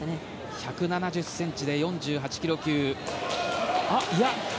１７０ｃｍで４８ｋｇ級。